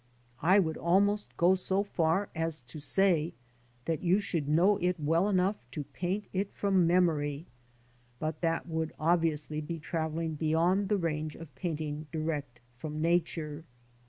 I would almost go as far as to say that you should know it well enough to paint it from memory, but that would obviously be travelling beyond the range of painting direct from Nature.